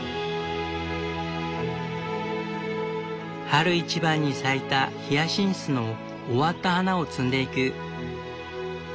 春一番に咲いたヒヤシンスの終わった花を摘んでいく。